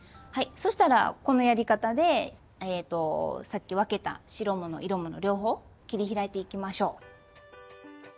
そしたらこのやり方でさっき分けた白もの色もの両方切り開いていきましょう。